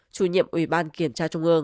chủ nhiệm ủy ban kiểm tra trung ương